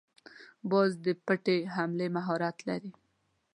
باز د پټې حملې مهارت لري